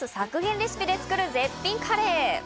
レシピで作る絶品カレー。